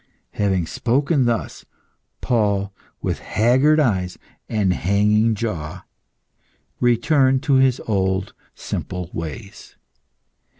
Having spoken thus, Paul, with haggard eyes and hanging jaw, returned to his old simple ways.